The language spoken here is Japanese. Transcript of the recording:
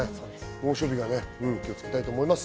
猛暑日に気をつけたいと思います。